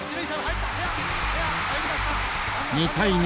２対２。